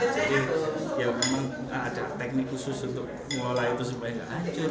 jadi ya memang ada teknik khusus untuk mengolah itu supaya gak hancur